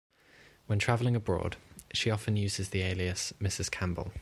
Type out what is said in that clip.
When travelling abroad, she often used the alias "Mrs Campbell".